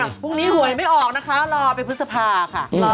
พรุ่งนี้หวยไม่ออกนะคะรอไปพฤษภาค่ะ